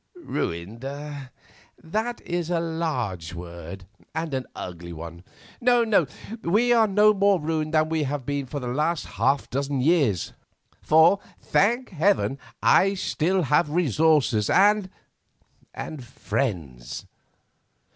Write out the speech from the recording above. "Ruined? That is a large word, and an ugly one. No, we are no more ruined than we have been for the last half dozen years, for, thank Heaven, I still have resources and—friends.